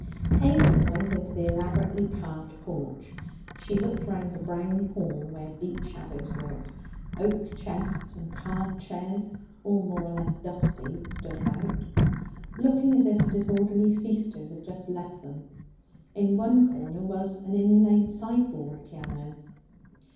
Hazel went into the elaborately carved porch. She looked round the brown hall where deep shadows lurked. Oak chests and carved chairs, all more or less dusty, stood about, looking as if disorderly feasters had just left them. In one corner was an inlaid sideboard piano.